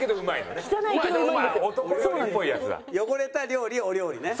汚れた料理「汚料理」ね。